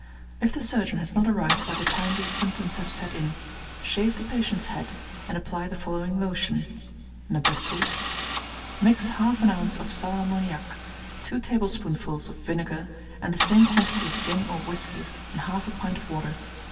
If the surgeon has not arrived by the time these symptoms have set in, shave the patient's head, and apply the following lotion (No. 2): Mix half an ounce of sal ammoniac, two tablespoonfuls of vinegar, and the same quantity of gin or whisky, in half a pint of water.